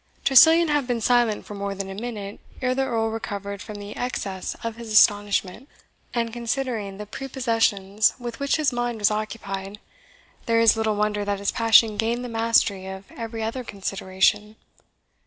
Tressilian had been silent for more than a minute ere the Earl recovered from the excess of his astonishment; and considering the prepossessions with which his mind was occupied, there is little wonder that his passion gained the mastery of every other consideration.